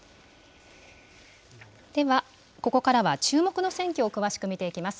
では、ここからは注目の選挙を詳しく見ていきます。